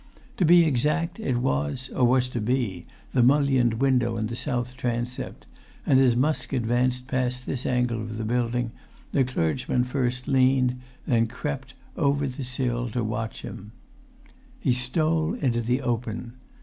To be exact, it was, or was to be, the mullioned window in the south transept; and as Musk advanced past this angle of the building, the clergyman first leant, then crept, over the sill to watch him. He stole into the open.